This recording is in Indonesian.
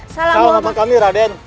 salam rambang kami raden